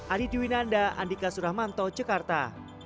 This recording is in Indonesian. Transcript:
aditya winanda andika suramanto cekarta